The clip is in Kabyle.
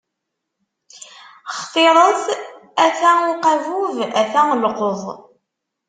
Xtiṛet: a-t-a uqabub, a-t-a llqeḍ!